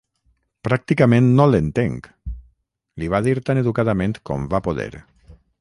"Pràcticament no l'entenc", li va dir tan educadament com va poder.